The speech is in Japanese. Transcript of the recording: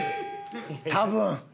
多分！